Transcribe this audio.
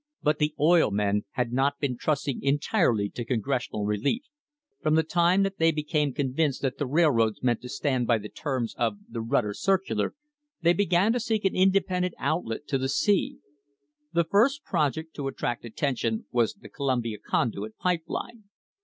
But the oil men had not been trusting entirely to Con gressional relief. From the time that they became convinced that the railroads meant to stand by the terms of the "Rutter lircular" they began to seek an independent outlet to the sea. The first project to attract attention was the Columbia Conduit Pipe Line.